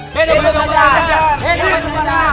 tidak mungkin memakai gelangkah ini